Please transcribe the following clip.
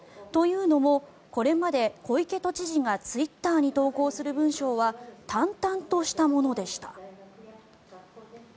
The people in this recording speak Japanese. というのも、これまで小池都知事がツイッターに投稿する文章は淡々としたものでした。